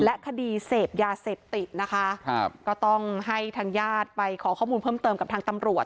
และคดีเสพยาเสพติดนะคะครับก็ต้องให้ทางญาติไปขอข้อมูลเพิ่มเติมกับทางตำรวจ